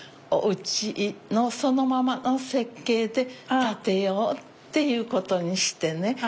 おうちのそのままの設計で建てようっていうことにしてね。